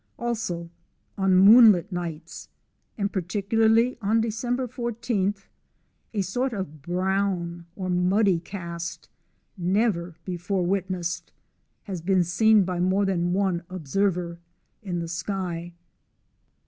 Also on moonlight nights, and particularly on December 14, a sort of brown or muddy cast, never before witnessed, has been seen by more than one observer, in the sky.